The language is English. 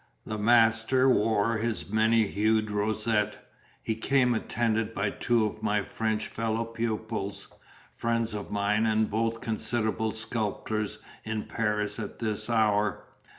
The master wore his many hued rosette; he came attended by two of my French fellow pupils friends of mine and both considerable sculptors in Paris at this hour.